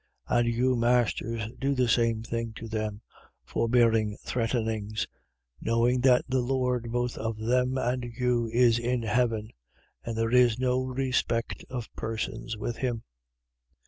6:9. And you, masters, do the same things to them, forbearing threatenings: knowing that the Lord both of them and you is in heaven. And there is no respect of persons with him.